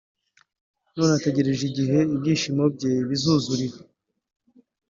none ategereje igihe ibyishimo bye bizuzurira